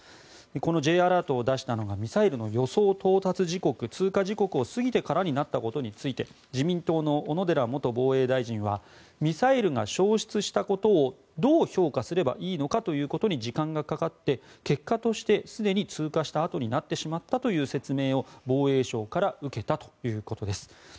このＪアラートを出したのがミサイルの予想到達時刻通過時刻を過ぎてからになったことについて自民党の小野寺元防衛大臣はミサイルが消失したことをどう評価すればいいのかということに時間がかかって結果としてすでに通過したあとになってしまったという説明を防衛省から受けたということです。